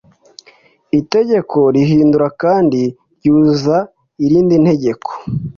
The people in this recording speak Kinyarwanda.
itegeko rihindura kandi ryuzuza irindin tegeko